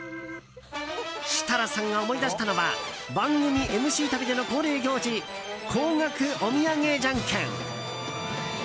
設楽さんが思い出したのは番組ＭＣ旅での恒例行事高額お土産じゃんけん。